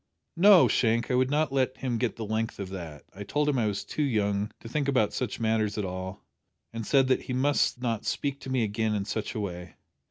"No, Shank, I would not let him get the length of that. I told him I was too young to to think about such matters at all, and said that he must not speak to me again in such a way.